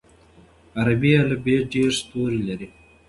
عربي الفبې دېرش توري لري.